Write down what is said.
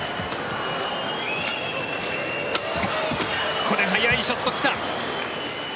ここで速いショットが来た。